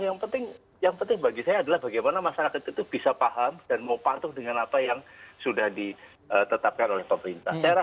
yang penting yang penting bagi saya adalah bagaimana masyarakat itu bisa paham dan mau patuh dengan apa yang sudah ditetapkan oleh pemerintah